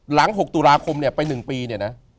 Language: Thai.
หลัง๖ตุลาคมเนี่ยไป๑ปีเนี่ยนะ